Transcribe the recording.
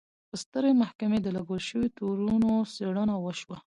پر سترې محکمې د لګول شویو تورونو څېړنه وشوه.